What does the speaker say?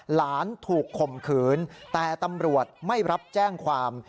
หลานถูกข่มขืนแต่ตำรวจไม่รับแจ้งความ